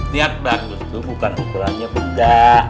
niat bagus tuh bukan ukurannya peda